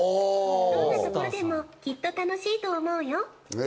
どこでもきっと、楽しいと思うよ。